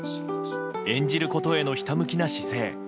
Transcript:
演じることへのひたむきな姿勢。